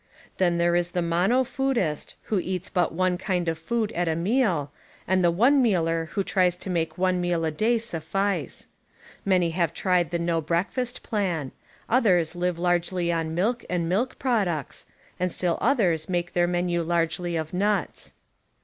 Then there is the * Fletcher: Fltlcherism, What ii i<, p. 35. 11 mono foodist who eats but one kind of food at a meal, and the one mealer who tries to make one meal a day suffice. Many have tried the no breakfast plan; others live largely on milk and milk products, and still others make their menu largely of nuts.